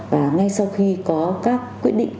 và ngay sau khi có các quyết định